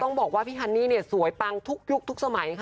เพราะว่าพี่ฮันนี่สวยปังทุกยุคทุกสมัย